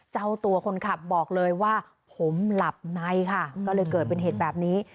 เจ้าตัวคนขับบอกเลยว่าผมหลับในค่ะก็เลยเกิดเป็นเหตุแบบนี้